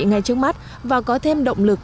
ngay trước mắt và có thêm động lực